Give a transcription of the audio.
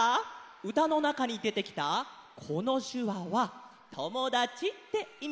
うたのなかにでてきたこのしゅわは「ともだち」っていみなんだよ。